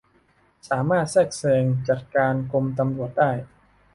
สามารถแทรกแซงจัดการกรมตำรวจได้